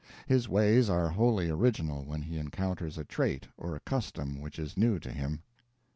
His ways are wholly original when he encounters a trait or a custom which is new to him.